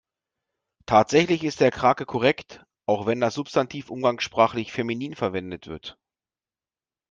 Tatsächlich ist der Krake korrekt, auch wenn das Substantiv umgangssprachlich feminin verwendet wird.